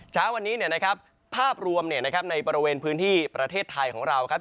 เช้าวันนี้เนี่ยนะครับภาพรวมเนี่ยนะครับในประเทศไทยของเราครับ